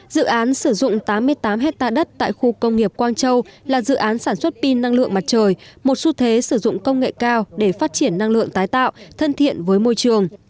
dự án sử dụng tám mươi tám hectare đất tại khu công nghiệp quang châu là dự án sản xuất pin năng lượng mặt trời một xu thế sử dụng công nghệ cao để phát triển năng lượng tái tạo thân thiện với môi trường